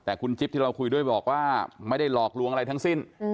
แต่คุณจิ๊บที่เราคุยด้วยบอกว่าไม่ได้หลอกลวงอะไรทั้งสิ้น